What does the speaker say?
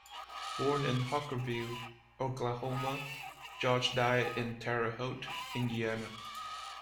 Born in Hockerville, Oklahoma, George died in Terre Haute, Indiana.